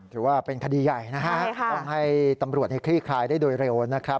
ถือว่าเป็นคดีใหญ่นะฮะต้องให้ตำรวจคลี่คลายได้โดยเร็วนะครับ